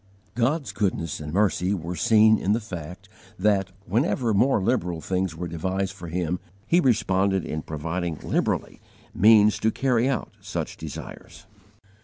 God's goodness and mercy were seen in the fact that, whenever more liberal things were devised for Him, He responded in providing liberally means to carry out such desires.